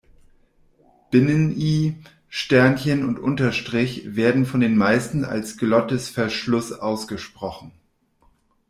Binnen-I, Sternchen und Unterstrich werden von den meisten als Glottisverschluss ausgesprochen.